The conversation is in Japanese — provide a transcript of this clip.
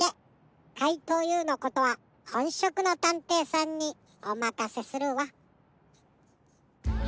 かいとうＵのことはほんしょくのたんていさんにおまかせするわ。